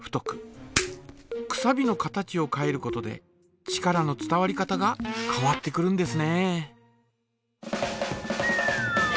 くさびの形を変えることで力の伝わり方が変わってくるんですね。